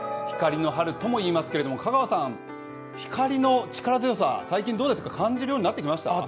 光の春ともいいますけれども香川さん、光の力強さ、最近、感じるようになってきました？